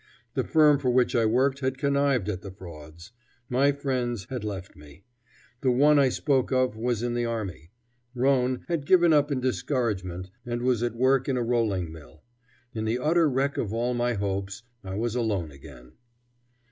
The firm for which I worked had connived at the frauds. My friends had left me. The one I spoke of was in the army. Ronne had given up in discouragement, and was at work in a rolling mill. In the utter wreck of all my hopes I was alone again.